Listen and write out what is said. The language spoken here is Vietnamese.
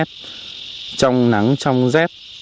trong nắng trong dép